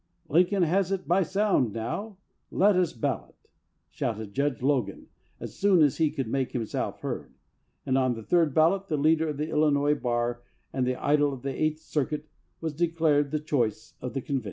"Lincoln has it by sound now; let us ballot!" shouted Judge Logan as soon as he could make himself heard, and on the third ballot the leader of the Illinois bar and the idol of the Eighth Cir cuit was declared the choice of the convention.